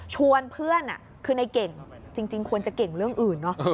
ชวนเพื่อนคือในเก่งจริงควรจะเก่งเรื่องอื่นเนอะ